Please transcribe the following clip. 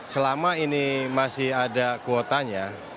selama ini masih ada kuotanya